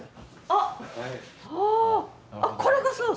あっこれがそう？